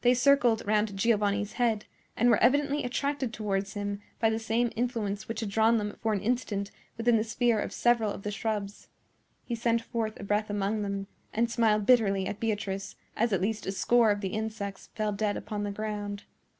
They circled round Giovanni's head, and were evidently attracted towards him by the same influence which had drawn them for an instant within the sphere of several of the shrubs. He sent forth a breath among them, and smiled bitterly at Beatrice as at least a score of the insects fell dead upon the ground.